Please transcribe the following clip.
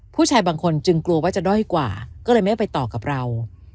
ผู้ชายบางคนจึงกลัวว่าจะด้อยกว่าก็เลยไม่ไปต่อกับเรา